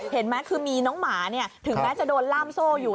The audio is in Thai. เห็นไหมคือมีน้องหมาถึงแม้จะโดนล่ามโซ่อยู่